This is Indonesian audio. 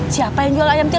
siapa yang jual ayam tipe